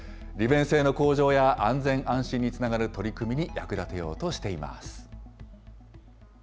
利便性の向上や、安全安心につなげる取り組みに役立てようとしています。